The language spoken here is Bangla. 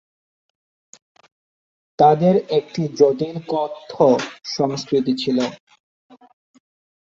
তাদের একটি জটিল কথ্য সংস্কৃতি ছিল।